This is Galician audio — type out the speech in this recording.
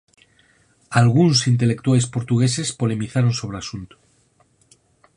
Algúns intelectuais portugueses polemizaron sobre o asunto.